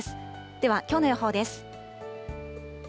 では、きょうの予報です。